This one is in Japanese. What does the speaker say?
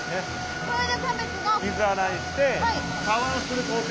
これでキャベツが。